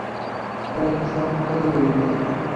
خپله کیسه ښکلې ولیکئ.